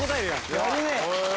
やるね！